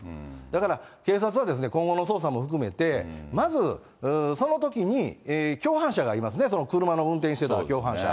だから、警察は今後の捜査も含めて、まずそのときに共犯者がいますね、その車の運転してた共犯者。